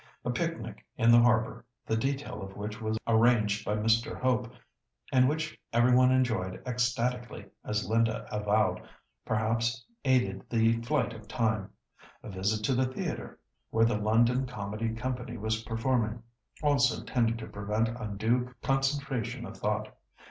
A picnic in the harbour, the detail of which was arranged by Mr. Hope, and which every one enjoyed ecstatically, as Linda avowed, perhaps aided the flight of time. A visit to the theatre, where the London Comedy Company was performing, also tended to prevent undue concentration of thought.